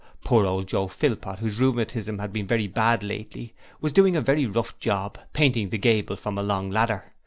Poor old Joe Philpot, whose rheumatism had been very bad lately, was doing a very rough job painting the gable from a long ladder.